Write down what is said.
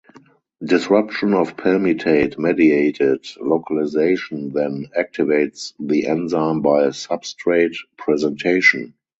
Disruption of palmitate mediated localization then activates the enzyme by substrate presentation.